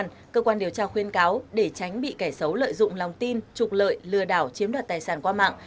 người dân điều tra khuyên cáo để tránh bị kẻ xấu lợi dụng lòng tin trục lợi lừa đảo chiếm đoạt tài sản qua mạng